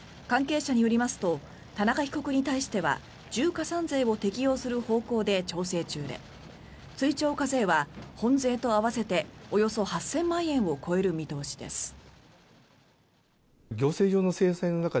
関係者によりますと田中被告に対しては重加算税を適用する方向で調整中で追徴課税は本税と合わせておよそ８０００万円を超える見通しです。